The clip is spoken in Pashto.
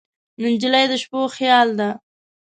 نجلۍ د شپو خیال ده.